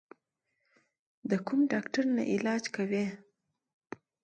د کوم ډاکټر نه علاج کوې؟